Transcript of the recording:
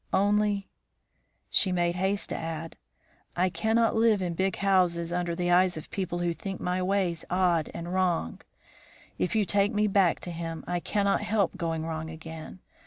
Only,' she made haste to add, 'I cannot live in big houses under the eyes of people who think my ways odd and wrong. If you take me back to him I cannot help going wrong again.